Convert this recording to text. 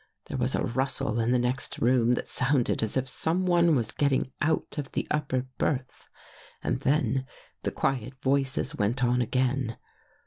There was a rustle in the next room that sounded as if someone was getting out of the upper berth, and then the quiet voices went on again.